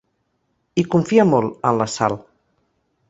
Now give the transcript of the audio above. Hi confia molt, en la Sal.